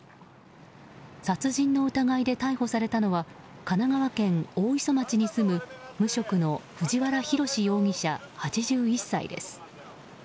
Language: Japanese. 殺人の疑いで逮捕されたのは神奈川県大磯町に住む無職の藤原宏容疑者、８１歳です。